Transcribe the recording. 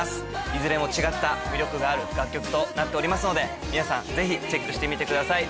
いずれも違った魅力がある楽曲となっておりますので皆さんぜひチェックしてみてください。